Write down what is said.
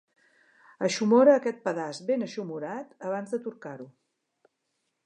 Eixumora aquest pedaç ben eixumorat abans de torcar-ho.